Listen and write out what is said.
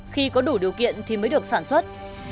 khi có đủ điều kiện thì mới được sản xuất